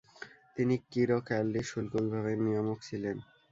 তিনি কিরক্যালডির শুল্ক বিভাগের নিয়ামক ছিলেন।